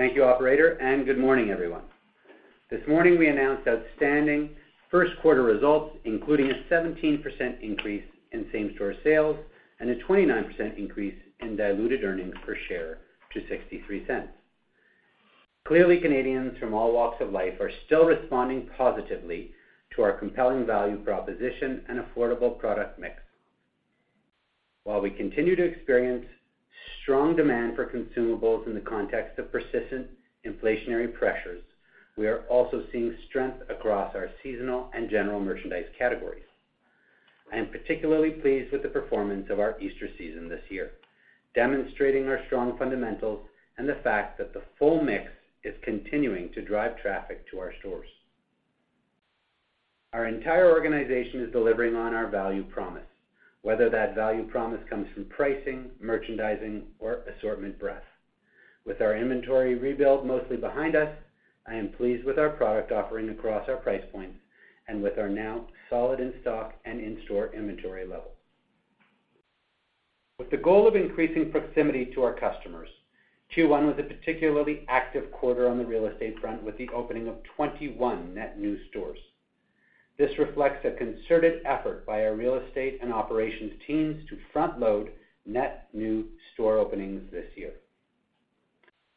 Thank you, operator. Good morning, everyone. This morning, we announced outstanding first quarter results, including a 17% increase in same-store sales and a 29% increase in diluted earnings per share to 0.63. Clearly, Canadians from all walks of life are still responding positively to our compelling value proposition and affordable product mix. While we continue to experience strong demand for consumables in the context of persistent inflationary pressures, we are also seeing strength across our seasonal and general merchandise categories. I am particularly pleased with the performance of our Easter season this year, demonstrating our strong fundamentals and the fact that the full mix is continuing to drive traffic to our stores. Our entire organization is delivering on our value promise, whether that value promise comes from pricing, merchandising, or assortment breadth. With our inventory rebuild mostly behind us, I am pleased with our product offering across our price points and with our now solid in-stock and in-store inventory levels. With the goal of increasing proximity to our customers, Q1 was a particularly active quarter on the real estate front, with the opening of 21 net new stores. This reflects a concerted effort by our real estate and operations teams to front-load net new store openings this year.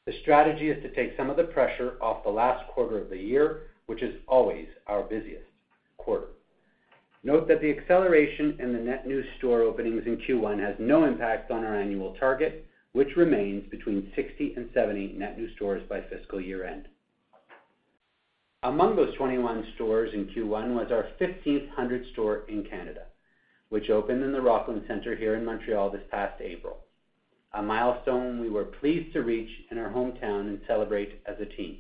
The strategy is to take some of the pressure off the last quarter of the year, which is always our busiest quarter. Note that the acceleration in the net new store openings in Q1 has no impact on our annual target, which remains between 60 and 70 net new stores by fiscal year-end. Among those 21 stores in Q1 was our 1,500th store in Canada, which opened in the Rockland Centre here in Montreal this past April, a milestone we were pleased to reach in our hometown and celebrate as a team.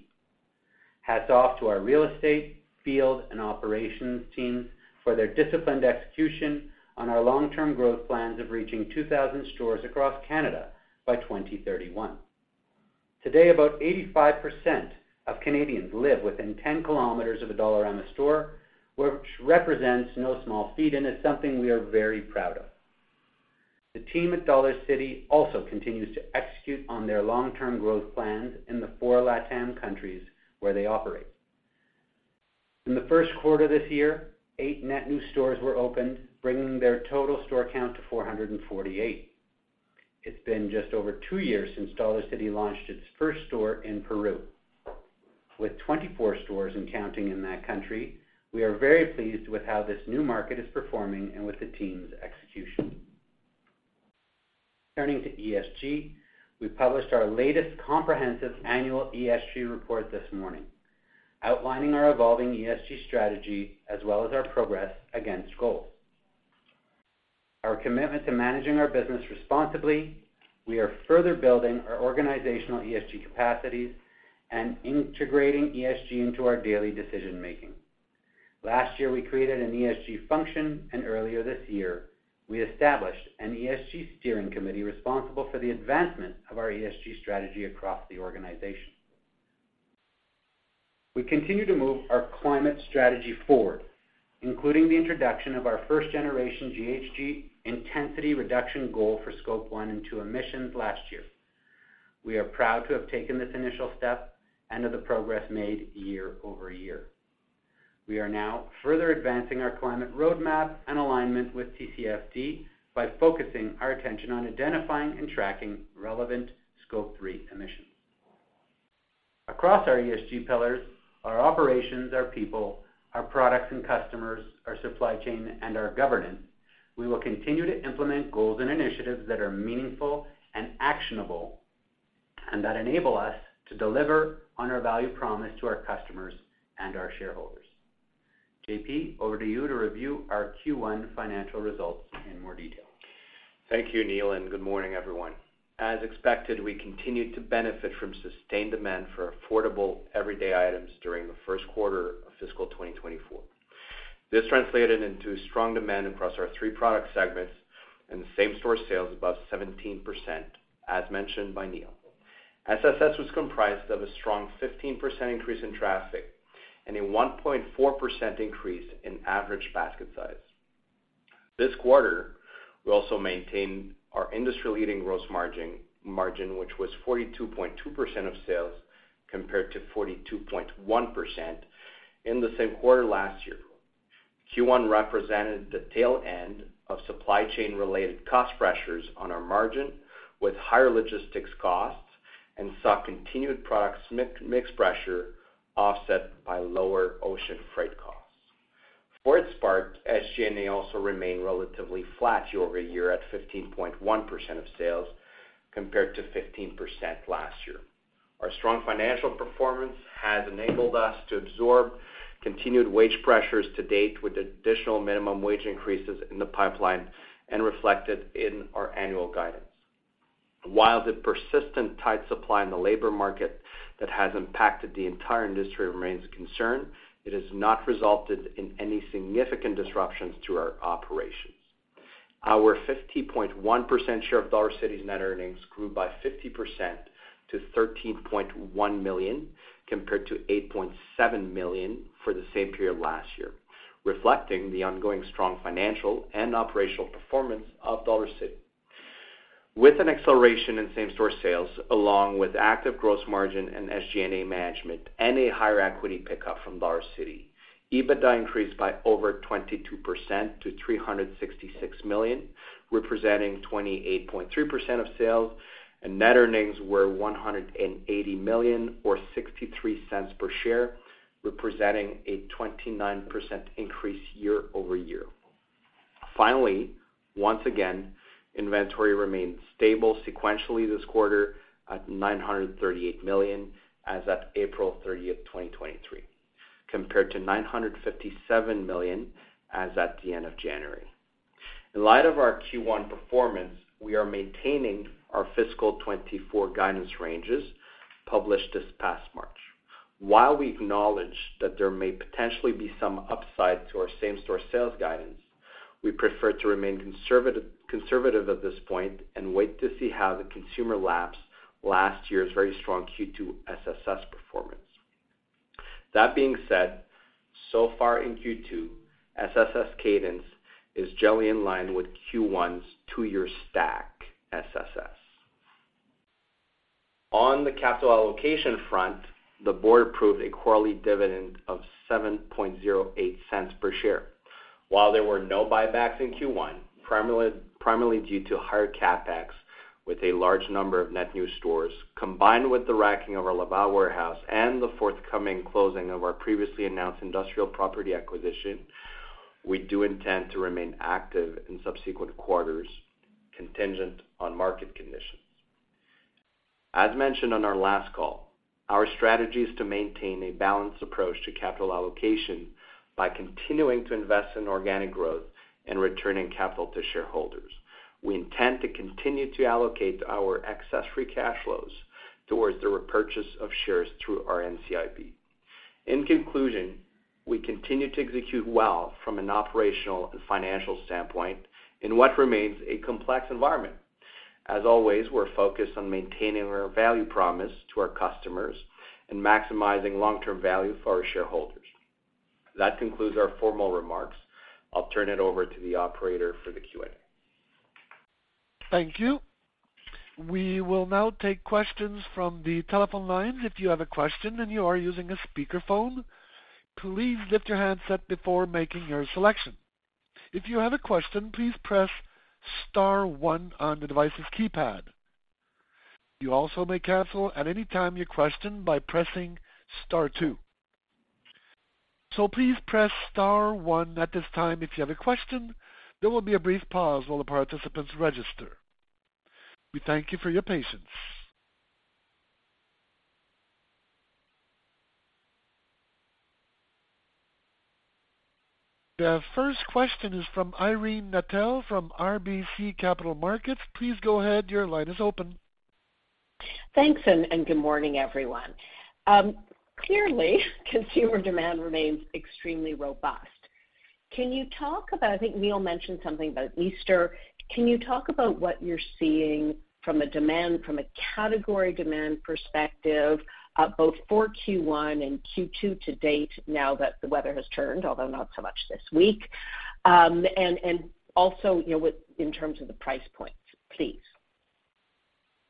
Hats off to our real estate, field, and operations teams for their disciplined execution on our long-term growth plans of reaching 2,000 stores across Canada by 2031. Today, about 85% of Canadians live within 10 kilometers of a Dollarama store, which represents no small feat, and it's something we are very proud of. The team at Dollarcity also continues to execute on their long-term growth plans in the four Latam countries where they operate. In the first quarter this year, eight net new stores were opened, bringing their total store count to 448. It's been just over two years since Dollarcity launched its first store in Peru. With 24 stores and counting in that country, we are very pleased with how this new market is performing and with the team's execution. Turning to ESG, we published our latest comprehensive annual ESG report this morning, outlining our evolving ESG strategy as well as our progress against goals. Our commitment to managing our business responsibly, we are further building our organizational ESG capacities and integrating ESG into our daily decision-making. Last year, we created an ESG function, and earlier this year, we established an ESG steering committee responsible for the advancement of our ESG strategy across the organization. We continue to move our climate strategy forward, including the introduction of our first-generation GHG intensity reduction goal for Scope one and two emissions last year. We are proud to have taken this initial step and of the progress made year-over-year. We are now further advancing our climate roadmap and alignment with TCFD by focusing our attention on identifying and tracking relevant Scope three emissions. Across our ESG pillars, our operations, our people, our products and customers, our supply chain, and our governance, we will continue to implement goals and initiatives that are meaningful and actionable, and that enable us to deliver on our value promise to our customers and our shareholders. J.P., over to you to review our Q1 financial results in more detail. Thank you, Neil. Good morning, everyone. As expected, we continued to benefit from sustained demand for affordable, everyday items during the first quarter of fiscal 2024. This translated into strong demand across our three product segments and same-store sales above 17%, as mentioned by Neil. SSS was comprised of a strong 15% increase in traffic and a 1.4% increase in average basket size. This quarter, we also maintained our industry-leading gross margin, which was 42.2% of sales, compared to 42.1% in the same quarter last year. Q1 represented the tail end of supply chain-related cost pressures on our margin, with higher logistics costs and saw continued product mix pressure offset by lower ocean freight costs. For its part, SG&A also remained relatively flat year-over-year at 15.1% of sales, compared to 15% last year. Our strong financial performance has enabled us to absorb continued wage pressures to date, with additional minimum wage increases in the pipeline and reflected in our annual guidance. While the persistent tight supply in the labor market that has impacted the entire industry remains a concern, it has not resulted in any significant disruptions to our operations. Our 50.1% share of Dollarcity's net earnings grew by 50% to 13.1 million, compared to 8.7 million for the same period last year, reflecting the ongoing strong financial and operational performance of Dollarcity. With an acceleration in same-store sales, along with active gross margin and SG&A management and a higher equity pickup from Dollarcity, EBITDA increased by over 22% to 366 million, representing 28.3% of sales, and net earnings were 180 million, or 0.63 per share, representing a 29% increase year-over-year. Finally, once again, inventory remained stable sequentially this quarter at 938 million as at April 30th, 2023, compared to 957 million as at the end of January. In light of our Q1 performance, we are maintaining our fiscal 2024 guidance ranges published this past March. While we acknowledge that there may potentially be some upside to our same-store sales guidance, we prefer to remain conservative at this point and wait to see how the consumer laps last year's very strong Q2 SSS performance. That being said, so far in Q2, SSS cadence is generally in line with Q1's two-year stack SSS. On the capital allocation front, the board approved a quarterly dividend of 0.0708 per share. While there were no buybacks in Q1, primarily due to higher CapEx, with a large number of net new stores, combined with the racking of our Laval warehouse and the forthcoming closing of our previously announced industrial property acquisition, we do intend to remain active in subsequent quarters, contingent on market conditions. As mentioned on our last call, our strategy is to maintain a balanced approach to capital allocation by continuing to invest in organic growth and returning capital to shareholders. We intend to continue to allocate our excess free cash flows towards the repurchase of shares through our NCIB. In conclusion, we continue to execute well from an operational and financial standpoint in what remains a complex environment. As always, we're focused on maintaining our value promise to our customers and maximizing long-term value for our shareholders. That concludes our formal remarks. I'll turn it over to the operator for the Q&A. Thank you. We will now take questions from the telephone lines. If you have a question and you are using a speakerphone, please lift your handset before making your selection. If you have a question, please press star one on the device's keypad. You also may cancel at any time your question by pressing Star two. Please press Star one at this time if you have a question. There will be a brief pause while the participants register. We thank you for your patience. The first question is from Irene Nattel from RBC Capital Markets. Please go ahead. Your line is open. Thanks, and good morning, everyone. Clearly, consumer demand remains extremely robust. Can you talk about I think Neil mentioned something about Easter. Can you talk about what you're seeing from a demand, from a category demand perspective, both for Q1 and Q2 to date, now that the weather has turned, although not so much this week, and also, you know, in terms of the price points, please?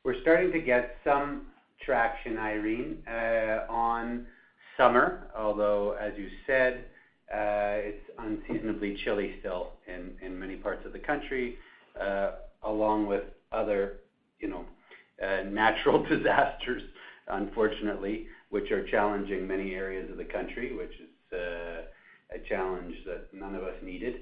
We're starting to get some traction, Irene, on summer, although, as you said, it's unseasonably chilly still in many parts of the country, along with other, you know, natural disasters, unfortunately, which are challenging many areas of the country, which is a challenge that none of us needed.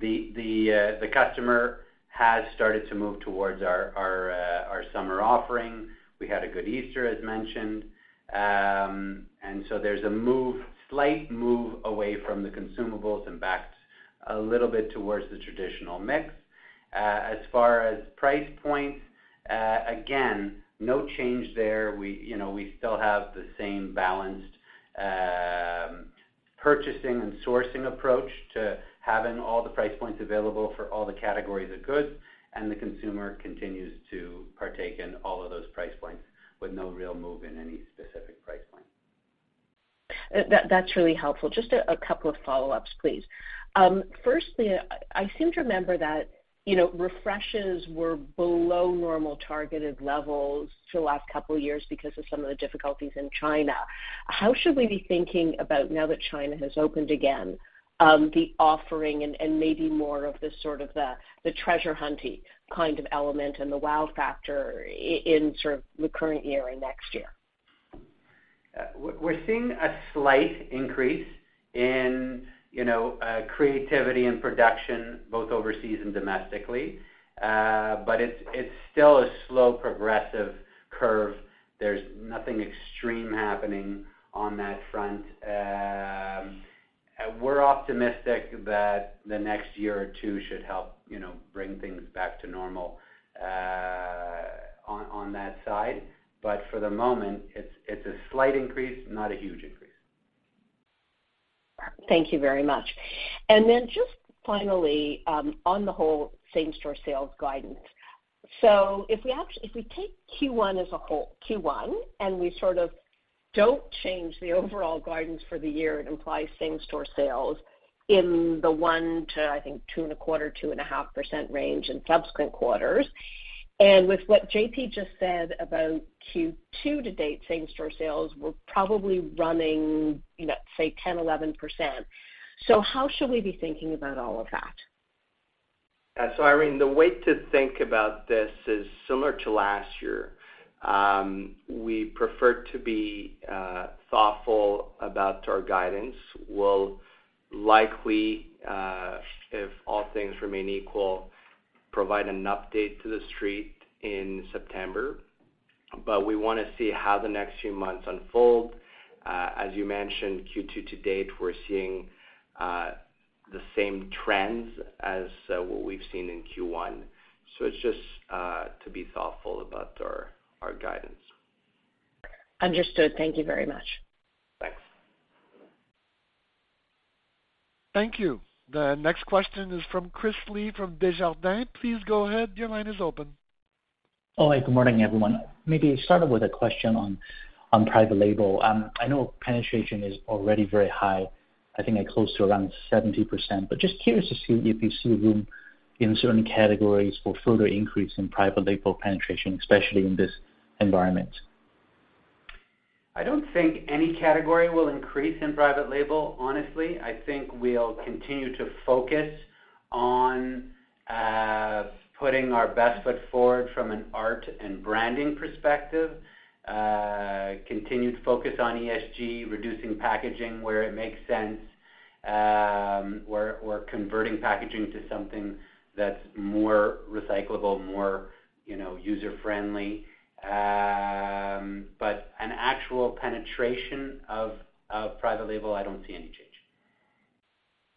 The customer has started to move towards our summer offering. We had a good Easter, as mentioned. So there's a move, slight move away from the consumables and back a little bit towards the traditional mix. As far as price points, again, no change there. We, you know, we still have the same balanced purchasing and sourcing approach to having all the price points available for all the categories of goods. The consumer continues to partake in all of those price points with no real move in any specific price point. That, that's really helpful. Just a couple of follow-ups, please. Firstly, I seem to remember that, you know, refreshes were below normal targeted levels for the last couple of years because of some of the difficulties in China. How should we be thinking about, now that China has opened again, the offering and maybe more of the sort of the treasure hunty kind of element and the wow factor in sort of the current year and next year? We're seeing a slight increase in, you know, creativity and production, both overseas and domestically. It's still a slow, progressive curve. There's nothing extreme happening on that front. We're optimistic that the next year or two should help, you know, bring things back to normal, on that side. For the moment, it's a slight increase, not a huge increase. Thank you very much. Just finally, on the whole same-store sales guidance. If we actually, if we take Q1 as a whole, Q1, and we sort of don't change the overall guidance for the year, it implies same-store sales in the 1% to, I think, 2.25%, 2.5% range in subsequent quarters. With what J.P. just said about Q2 to date, same-store sales were probably running, you know, say, 10%, 11%. How should we be thinking about all of that? Irene, the way to think about this is similar to last year. We prefer to be thoughtful about our guidance. We'll likely, if all things remain equal, provide an update to the street in September. We wanna see how the next few months unfold. As you mentioned, Q2 to date, we're seeing the same trends as what we've seen in Q1. It's just to be thoughtful about our guidance. Understood. Thank you very much. Thanks. Thank you. The next question is from Chris Li from Desjardins. Please go ahead. Your line is open. Oh, hey, good morning, everyone. Maybe start off with a question on private label. I know penetration is already very high, I think, close to around 70%, but just curious to see if you see room in certain categories for further increase in private label penetration, especially in this environment. I don't think any category will increase in private label, honestly. I think we'll continue to focus on putting our best foot forward from an art and branding perspective, continued focus on ESG, reducing packaging where it makes sense, or converting packaging to something that's more recyclable, more, you know, user-friendly. An actual penetration of private label, I don't see any change.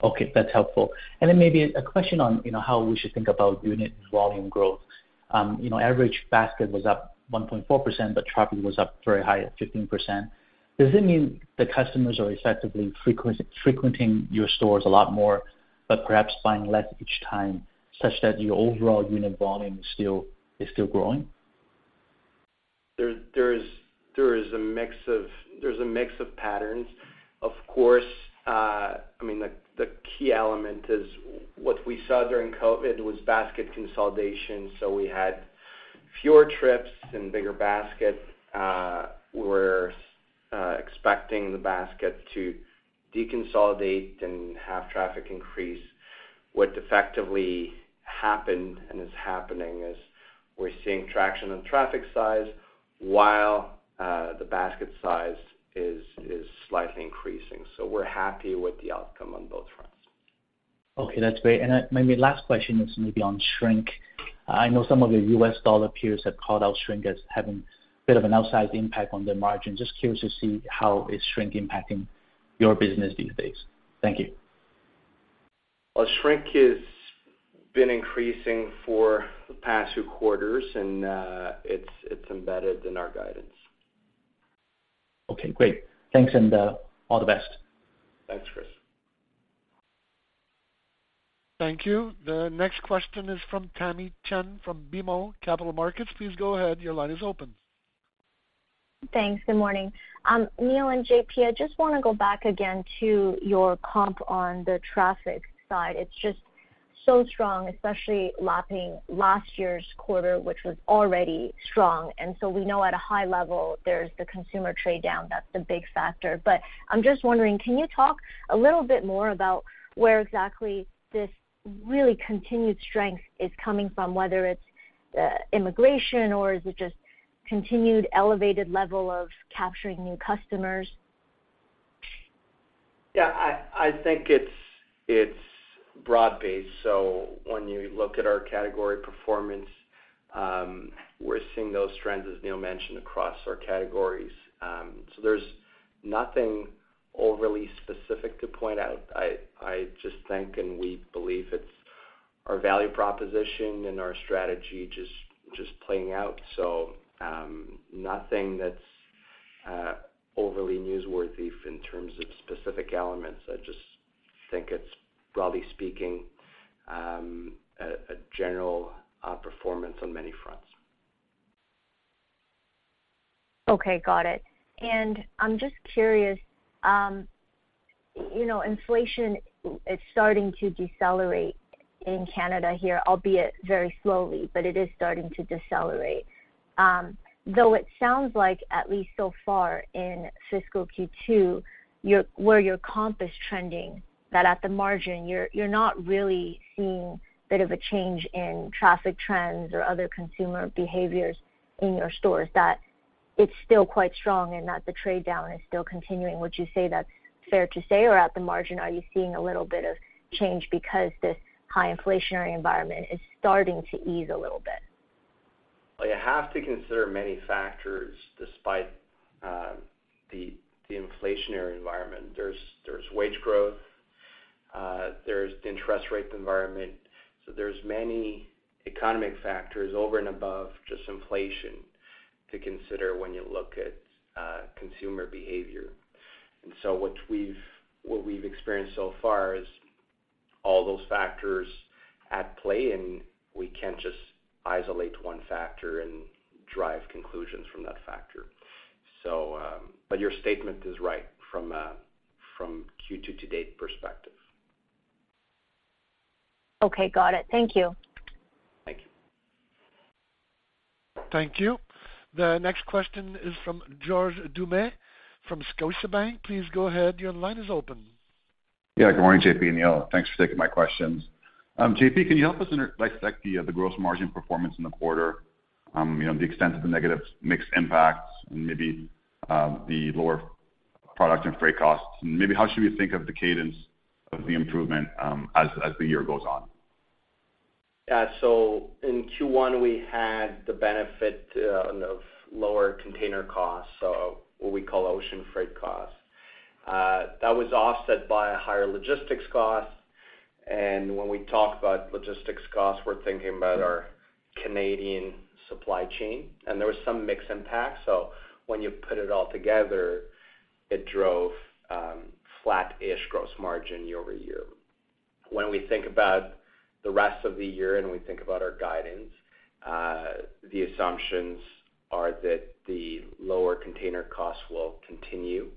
Okay, that's helpful. Then maybe a question on, you know, how we should think about unit volume growth. you know, average basket was up 1.4%, but traffic was up very high at 15%. Does it mean the customers are effectively frequenting your stores a lot more, but perhaps buying less each time, such that your overall unit volume is still growing? There is a mix of patterns. Of course, I mean, the key element is what we saw during COVID was basket consolidation, so we had fewer trips and bigger basket. We're expecting the basket to deconsolidate and have traffic increase. What effectively happened, and is happening, is we're seeing traction on traffic size while the basket size is slightly increasing, so we're happy with the outcome on both fronts. Okay, that's great. My last question is maybe on shrink. I know some of the U.S. dollar peers have called out shrink as having a bit of an outsized impact on the margin. Just curious to see how is shrink impacting your business these days. Thank you. Well, shrink has been increasing for the past two quarters, and, it's embedded in our guidance. Okay, great. Thanks, and all the best. Thanks, Chris. Thank you. The next question is from Tamy Chen, from BMO Capital Markets. Please go ahead. Your line is open. Thanks. Good morning. Neil and J.P., I just wanna go back again to your comp on the traffic side. It's just so strong, especially lapping last year's quarter, which was already strong. We know at a high level there's the consumer trade-down. That's the big factor. I'm just wondering, can you talk a little bit more about where exactly this really continued strength is coming from, whether it's immigration or is it just continued elevated level of capturing new customers? Yeah, I think it's broad-based. When you look at our category performance, we're seeing those trends, as Neil mentioned, across our categories. There's nothing overly specific to point out. I just think, and we believe it's our value proposition and our strategy just playing out. Nothing that's overly newsworthy in terms of specific elements. I just think it's, broadly speaking, a general performance on many fronts. Okay, got it. I'm just curious, you know, inflation is starting to decelerate in Canada here, albeit very slowly, but it is starting to decelerate. Though it sounds like, at least so far in fiscal Q2, where your comp is trending, that at the margin, you're not really seeing bit of a change in traffic trends or other consumer behaviors in your stores, that it's still quite strong and that the trade-down is still continuing. Would you say that's fair to say, or at the margin, are you seeing a little bit of change because this high inflationary environment is starting to ease a little bit? Well, you have to consider many factors despite the inflationary environment. There's wage growth, there's the interest rate environment, so there's many economic factors over and above just inflation to consider when you look at consumer behavior. What we've experienced so far is all those factors at play, and we can't just isolate one factor and drive conclusions from that factor. Your statement is right from Q2 to date perspective. Okay, got it. Thank you. Thank you. Thank you. The next question is from George Doumet from Scotiabank. Please go ahead, your line is open. Good morning, J.P. and Neil. Thanks for taking my questions. J.P., can you help us dissect the gross margin performance in the quarter, you know, the extent of the negative mix impacts and maybe the lower product and freight costs? Maybe how should we think of the cadence of the improvement as the year goes on? In Q1, we had the benefit of lower container costs, so what we call ocean freight costs. That was offset by a higher logistics cost. When we talk about logistics costs, we're thinking about our Canadian supply chain, and there was some mix impact. When you put it all together, it drove flat-ish gross margin year-over-year. When we think about the rest of the year, and we think about our guidance, the assumptions are that the lower container costs will continue.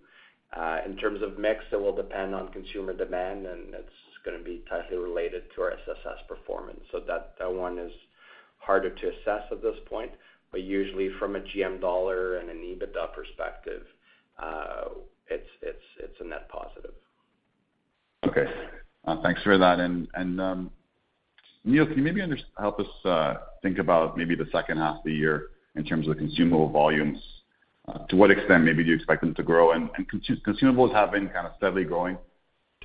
In terms of mix, it will depend on consumer demand, and it's gonna be tightly related to our SSS performance. That one is harder to assess at this point, but usually from a GM dollar and an EBITDA perspective, it's, it's a net positive. Okay. Thanks for that. Neil, can you maybe help us think about maybe the second half of the year in terms of the consumable volumes? To what extent maybe do you expect them to grow? Consumables have been kind of steadily growing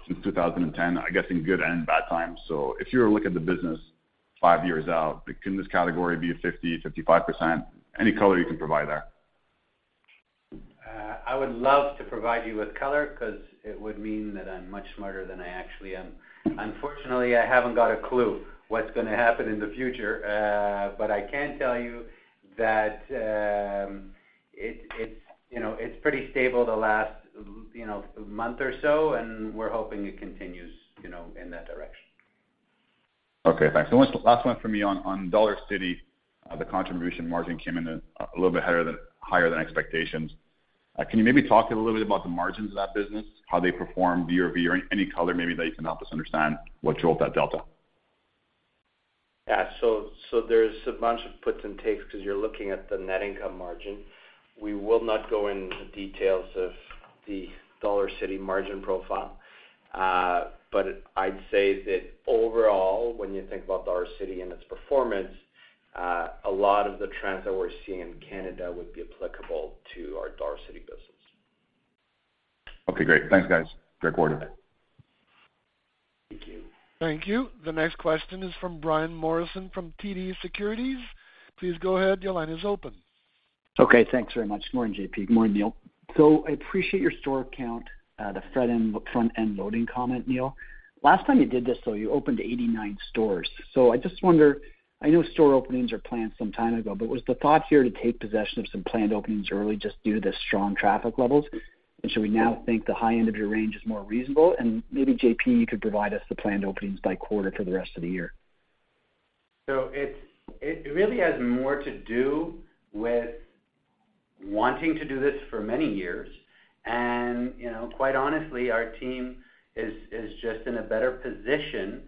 since 2010, I guess, in good and bad times. If you were looking at the business five years out, can this category be a 50%, 55%? Any color you can provide there. I would love to provide you with color because it would mean that I'm much smarter than I actually am. Unfortunately, I haven't got a clue what's gonna happen in the future, but I can tell you that, it's, you know, it's pretty stable the last, you know, month or so, and we're hoping it continues, you know, in that direction. Okay, thanks. Last one for me on Dollarcity, the contribution margin came in a little bit higher than expectations. Can you maybe talk a little bit about the margins of that business, how they performed year-over-year, any color maybe that you can help us understand what drove that delta? There's a bunch of puts and takes because you're looking at the net income margin. We will not go into details of the Dollarcity margin profile. I'd say that overall, when you think about Dollarcity and its performance, a lot of the trends that we're seeing in Canada would be applicable to our Dollarcity business. Okay, great. Thanks, guys. Great quarter. Thank you. Thank you. The next question is from Brian Morrison, from TD Securities. Please go ahead. Your line is open. Okay, thanks very much. Good morning, J.P. Good morning, Neil. I appreciate your store count, the front-end loading comment, Neil. Last time you did this, though, you opened 89 stores. I just wonder, I know store openings are planned some time ago, but was the thought here to take possession of some planned openings early, just due to the strong traffic levels? Should we now think the high end of your range is more reasonable? Maybe, J.P., you could provide us the planned openings by quarter for the rest of the year. It really has more to do with wanting to do this for many years. You know, quite honestly, our team is just in a better position,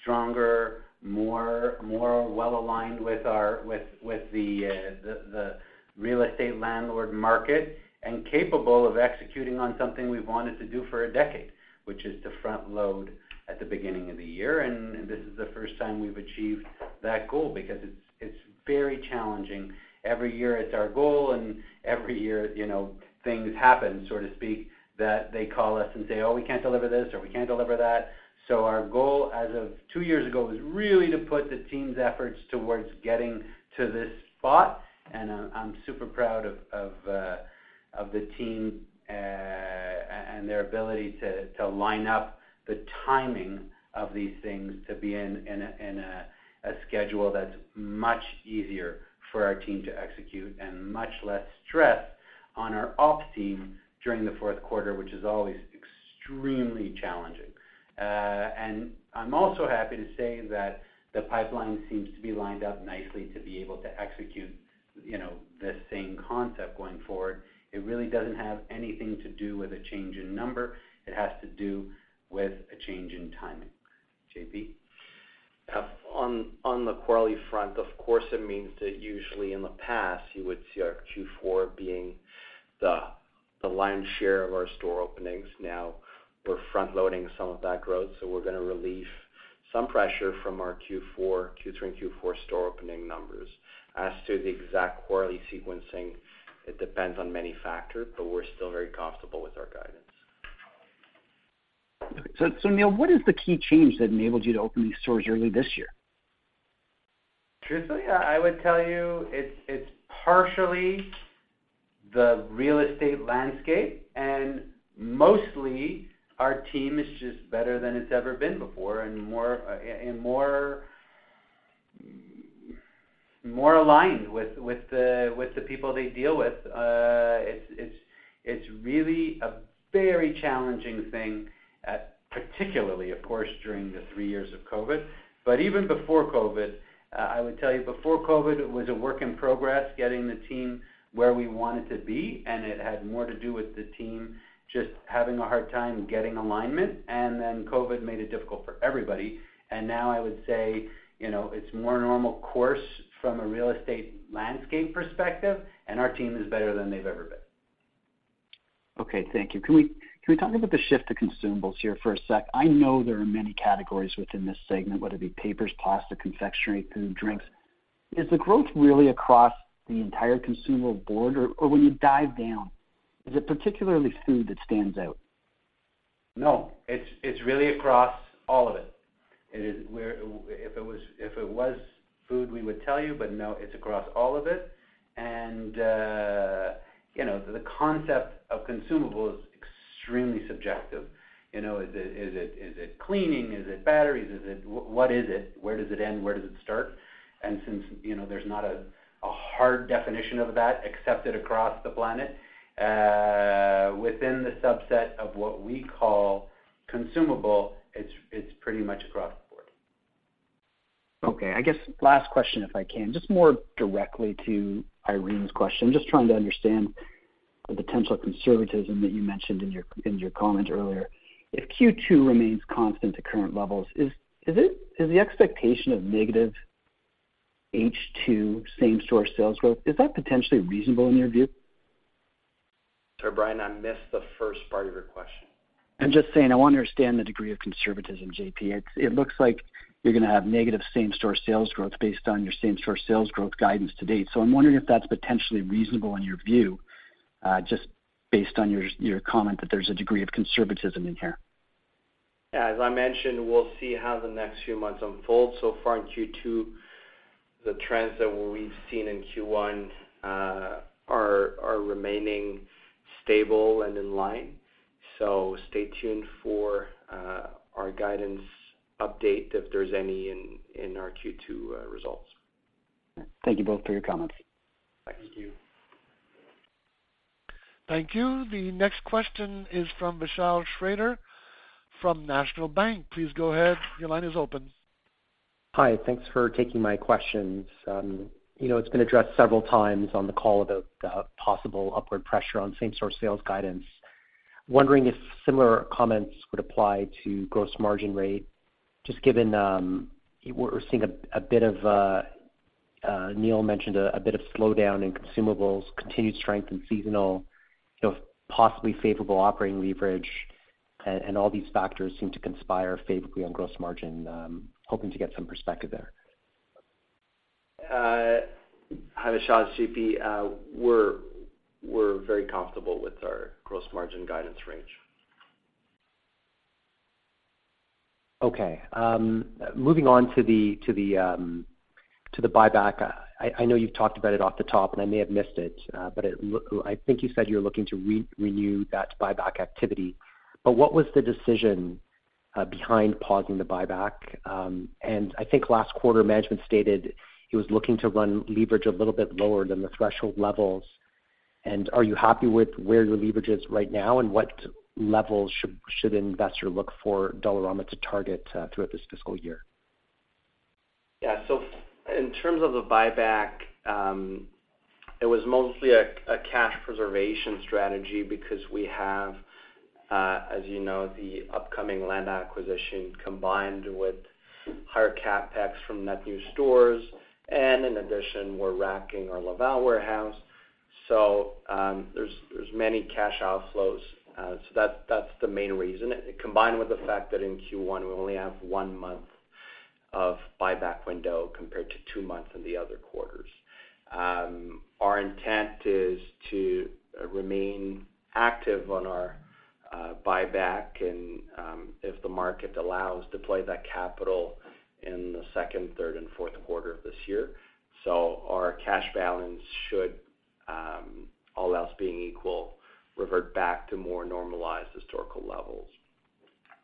stronger, more well-aligned with our, with the real estate landlord market, and capable of executing on something we've wanted to do for a decade, which is to front load at the beginning of the year. This is the first time we've achieved that goal because it's very challenging. Every year, it's our goal, and every year, you know, things happen, so to speak, that they call us and say, "Oh, we can't deliver this," or, "We can't deliver that." Our goal, as of two years ago, was really to put the team's efforts towards getting to this spot. I'm super proud of the team and their ability to line up the timing of these things to be in a schedule that's much easier for our team to execute and much less stress on our ops team during the fourth quarter, which is always extremely challenging. I'm also happy to say that the pipeline seems to be lined up nicely to be able to execute, you know, the same concept going forward. It really doesn't have anything to do with a change in number. It has to do with a change in timing. J.P.? On the quarterly front, of course, it means that usually in the past, you would see our Q4 being the lion's share of our store openings. We're front-loading some of that growth, so we're going to relieve some pressure from our Q4, Q3 and Q4 store opening numbers. The exact quarterly sequencing, it depends on many factors, but we're still very comfortable with our guidance. Okay. Neil, what is the key change that enabled you to open these stores early this year? Truthfully, I would tell you it's partially the real estate landscape, and mostly our team is just better than it's ever been before and more aligned with the, with the people they deal with. It's really a very challenging thing, particularly, of course, during the three years of COVID. Even before COVID, I would tell you before COVID, it was a work in progress, getting the team where we wanted to be, and it had more to do with the team just having a hard time getting alignment, and then COVID made it difficult for everybody. Now I would say, you know, it's more normal course from a real estate landscape perspective, and our team is better than they've ever been. Thank you. Can we talk about the shift to consumables here for a sec? I know there are many categories within this segment, whether it be papers, plastic, confectionery, food, drinks. Is the growth really across the entire consumable board, or when you dive down, is it particularly food that stands out? No, it's really across all of it. It is if it was food, we would tell you, but no, it's across all of it. You know, the concept of consumable is extremely subjective. You know, is it cleaning? Is it batteries? What is it? Where does it end? Where does it start? Since, you know, there's not a hard definition of that accepted across the planet, within the subset of what we call consumable, it's pretty much across the board. Okay, I guess last question, if I can. Just more directly to Irene's question. I'm just trying to understand the potential conservatism that you mentioned in your comment earlier. If Q2 remains constant to current levels, is the expectation of negative H2 same-store sales growth, is that potentially reasonable in your view? Sorry, Brian, I missed the first part of your question. I'm just saying, I want to understand the degree of conservatism, J.P. It looks like you're going to have negative same-store sales growth based on your same-store sales growth guidance to date. I'm wondering if that's potentially reasonable in your view, just based on your comment that there's a degree of conservatism in here. Yeah, as I mentioned, we'll see how the next few months unfold. Far in Q2, the trends that we've seen in Q1, are remaining stable and in line. Stay tuned for our guidance update, if there's any in our Q2 results. Thank you both for your comments. Thank you. Thank you. The next question is from Vishal Shreedhar from National Bank. Please go ahead. Your line is open. Hi, thanks for taking my questions. You know, it's been addressed several times on the call about the possible upward pressure on same-store sales guidance. Wondering if similar comments would apply to gross margin rate, just given we're seeing a bit of a Neil mentioned a bit of slowdown in consumables, continued strength in seasonal, you know, possibly favorable operating leverage, and all these factors seem to conspire favorably on gross margin. Hoping to get some perspective there. Hi, Vishal, it's J.P. We're very comfortable with our gross margin guidance range. Okay, moving on to the buyback. I know you've talked about it off the top, and I may have missed it, but I think you said you're looking to renew that buyback activity. What was the decision behind pausing the buyback? I think last quarter, management stated it was looking to run leverage a little bit lower than the threshold levels. Are you happy with where your leverage is right now? What levels should an investor look for Dollarama to target throughout this fiscal year? In terms of the buyback, it was mostly a cash preservation strategy because we have, as you know, the upcoming land acquisition, combined with higher CapEx from net new stores, and in addition, we're racking our Laval warehouse. There's many cash outflows. That's the main reason. Combined with the fact that in Q1, we only have one month of buyback window compared to two months in the other quarters. Our intent is to remain active on our buyback, and if the market allows, deploy that capital in the second, third, and fourth quarter of this year. Our cash balance should, all else being equal, revert back to more normalized historical levels.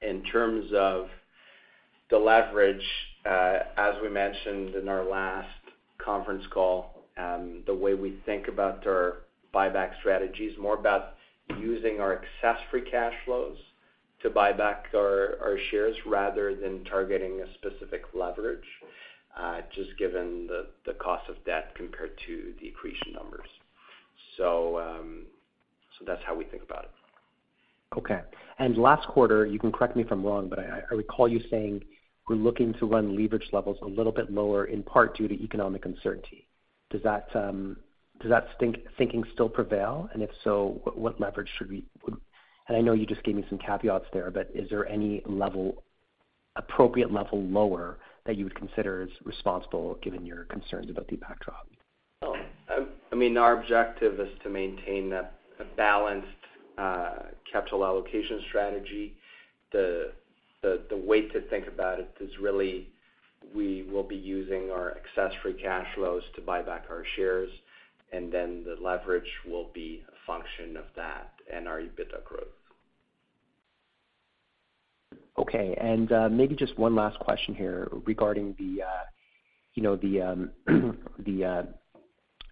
In terms of the leverage, as we mentioned in our last conference call, the way we think about our buyback strategy is more about using our excess free cash flows to buy back our shares, rather than targeting a specific leverage, just given the cost of debt compared to the accretion numbers. That's how we think about it. Okay. Last quarter, you can correct me if I'm wrong, but I recall you saying: We're looking to run leverage levels a little bit lower, in part due to economic uncertainty. Does that thinking still prevail? If so, what leverage should we? I know you just gave me some caveats there, but is there any level, appropriate level, lower that you would consider as responsible, given your concerns about the backdrop? Well, I mean, our objective is to maintain a balanced capital allocation strategy. The way to think about it is really, we will be using our excess free cash flows to buy back our shares. The leverage will be a function of that and our EBITDA growth. Okay, maybe just one last question here regarding the, you know, the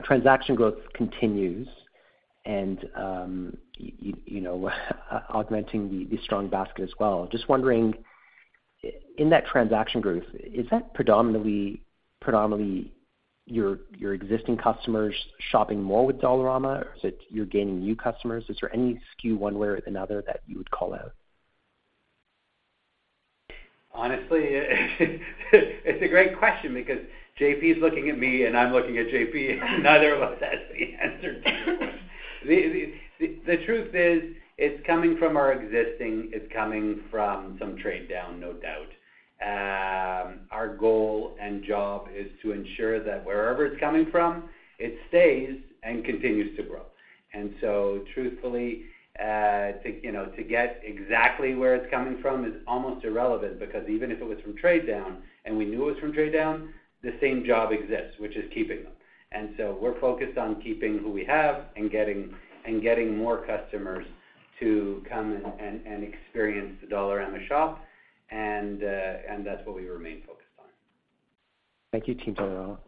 transaction growth continues and you know, augmenting the strong basket as well. Just wondering, in that transaction growth, is that predominantly your existing customers shopping more with Dollarama, or is it you're gaining new customers? Is there any skew one way or another that you would call out? Honestly, it's a great question because J.P. is looking at me, and I'm looking at J.P., and neither of us has the answer to it. The truth is, it's coming from our existing, it's coming from some trade down, no doubt. Our goal and job is to ensure that wherever it's coming from, it stays and continues to grow. Truthfully, to, you know, to get exactly where it's coming from is almost irrelevant, because even if it was from trade down, and we knew it was from trade down, the same job exists, which is keeping them. We're focused on keeping who we have and getting more customers to come and experience the Dollarama shop, and that's what we remain focused on. Thank you, team Dollarama.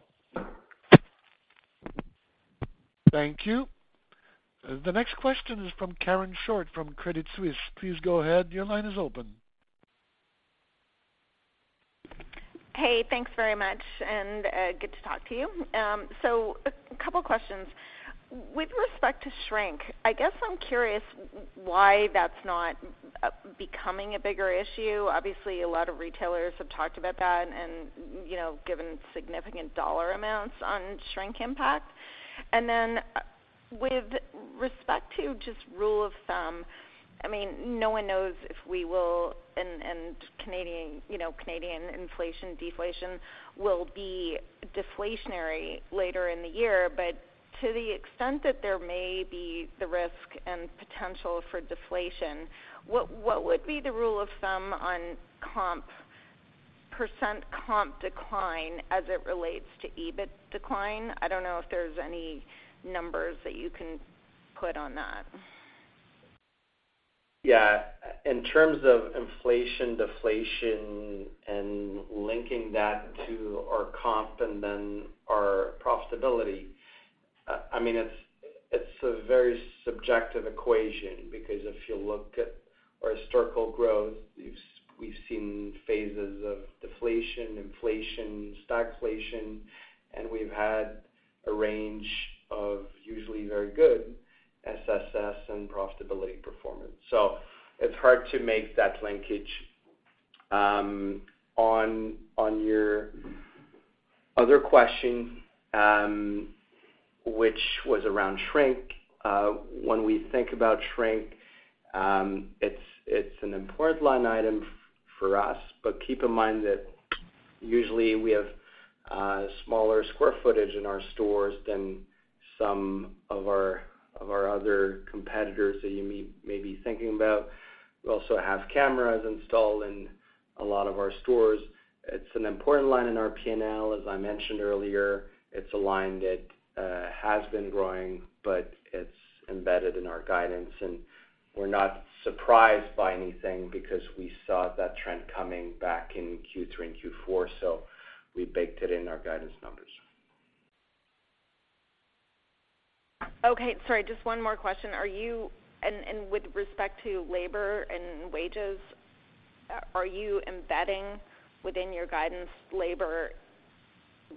Thank you. The next question is from Karen Short, from Credit Suisse. Please go ahead. Your line is open. Hey, thanks very much, and good to talk to you. A couple questions. With respect to shrink, I guess I'm curious why that's not becoming a bigger issue. Obviously, a lot of retailers have talked about that and, you know, given significant dollar amounts on shrink impact. Then, with respect to just rule of thumb, I mean, no one knows if we will, and Canadian, you know, Canadian inflation, deflation will be deflationary later in the year. To the extent that there may be the risk and potential for deflation, what would be the rule of thumb on comp, % comp decline as it relates to EBIT decline? I don't know if there's any numbers that you can put on that. Yeah. In terms of inflation, deflation, and linking that to our comp and then our profitability, I mean, it's a very subjective equation, because if you look at our historical growth, we've seen phases of deflation, inflation, stagflation, and we've had a range of usually very good SSS and profitability performance. It's hard to make that linkage. On your other question, which was around shrink, when we think about shrink, it's an important line item for us. Keep in mind that usually, we have smaller square footage in our stores than some of our other competitors that you may be thinking about. We also have cameras installed in a lot of our stores. It's an important line in our P&L, as I mentioned earlier. It's a line that has been growing. It's embedded in our guidance. We're not surprised by anything because we saw that trend coming back in Q3 and Q4. We baked it in our guidance numbers. Okay, sorry, just one more question. With respect to labor and wages, are you embedding within your guidance, labor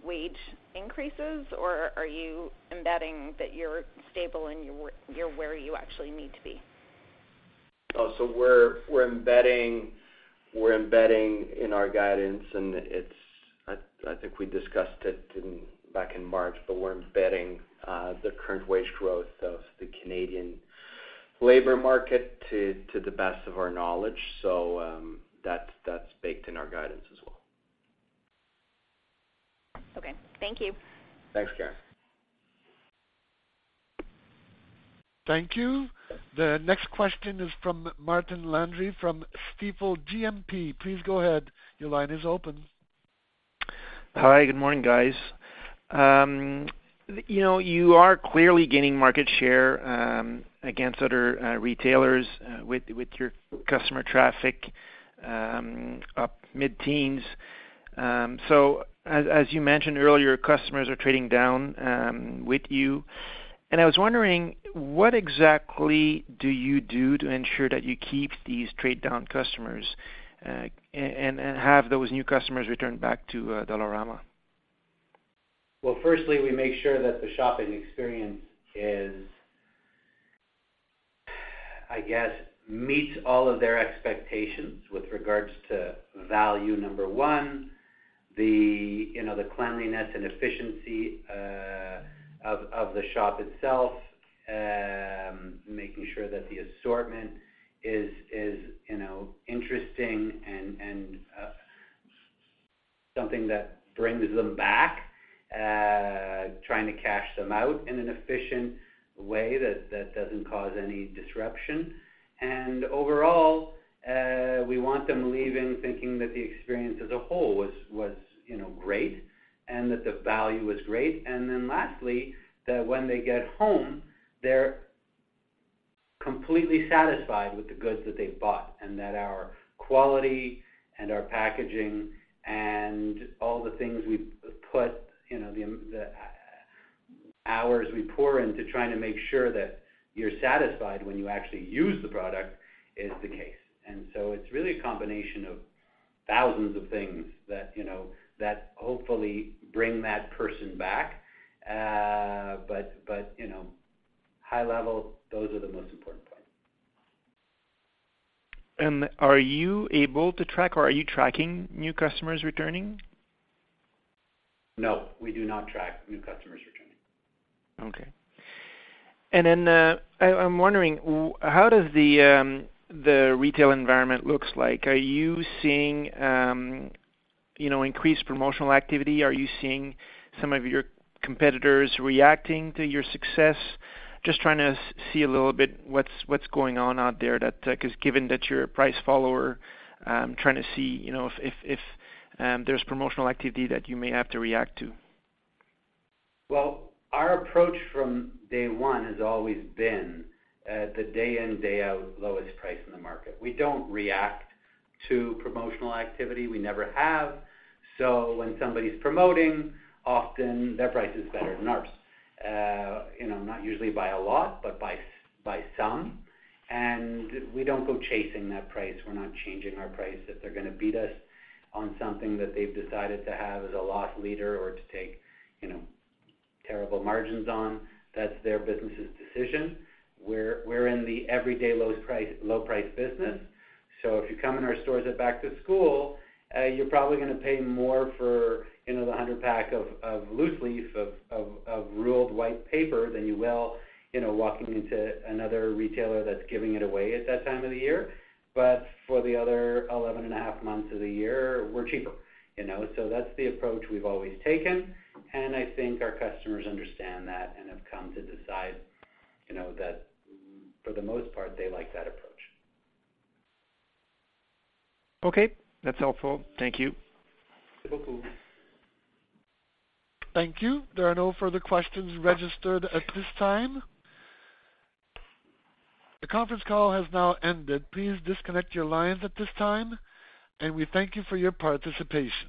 wage increases, or are you embedding that you're stable and you're where you actually need to be? We're embedding in our guidance, and I think we discussed it in, back in March, but we're embedding the current wage growth of the Canadian labor market to the best of our knowledge. That's baked in our guidance as well. Okay. Thank you. Thanks, Karen. Thank you. The next question is from Martin Landry, from Stifel GMP. Please go ahead. Your line is open. Hi, good morning, guys. you know, you are clearly gaining market share, against other retailers, with your customer traffic, up mid-teens. As you mentioned earlier, customers are trading down with you. I was wondering, what exactly do you do to ensure that you keep these trade-down customers, and have those new customers return back to Dollarama? Well, firstly, we make sure that the shopping experience is, I guess, meets all of their expectations with regards to value, number 1, the, you know, the cleanliness and efficiency of the shop itself, making sure that the assortment is, you know, interesting and something that brings them back, trying to cash them out in an efficient way that doesn't cause any disruption. Overall, we want them leaving, thinking that the experience as a whole was, you know, great, and that the value was great. Lastly, that when they get home.... completely satisfied with the goods that they've bought, and that our quality and our packaging and all the things we've put, you know, the hours we pour into trying to make sure that you're satisfied when you actually use the product, is the case. It's really a combination of thousands of things that, you know, that hopefully bring that person back. You know, high level, those are the most important points. Are you able to track, or are you tracking new customers returning? No, we do not track new customers returning. Okay. Then, I'm wondering, how does the retail environment looks like? Are you seeing, you know, increased promotional activity? Are you seeing some of your competitors reacting to your success? Just trying to see a little bit what's going on out there, that, 'cause given that you're a price follower, trying to see, you know, if there's promotional activity that you may have to react to. Our approach from day one has always been the day in, day out, lowest price in the market. We don't react to promotional activity, we never have. When somebody's promoting, often their price is better than ours. You know, not usually by a lot, but by some, we don't go chasing that price. We're not changing our price. If they're gonna beat us on something that they've decided to have as a loss leader or to take, you know, terrible margins on, that's their business' decision. We're in the everyday lowest price, low price business. If you come in our stores at back to school, you're probably gonna pay more for, you know, the 100 pack of loose leaf, of ruled white paper than you will, you know, walking into another retailer that's giving it away at that time of the year. For the other 11 and a half months of the year, we're cheaper, you know. That's the approach we've always taken, and I think our customers understand that and have come to decide, you know, that for the most part, they like that approach. Okay, that's helpful. Thank you. Thank you. Thank you. There are no further questions registered at this time. The conference call has now ended. Please disconnect your lines at this time, and we thank you for your participation.